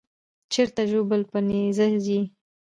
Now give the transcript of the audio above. چیرته ژوبل په نېزه یې